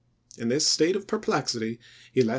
In this state of perplexity he left ei?